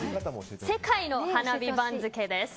世界の花火番付です。